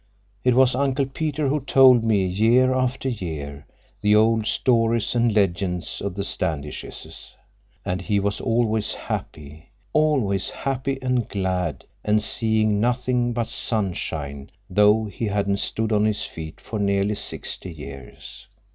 It was Uncle Peter who told me, year after year, the old stories and legends of the Standishes. And he was always happy—always happy and glad and seeing nothing but sunshine though he hadn't stood on his feet for nearly sixty years.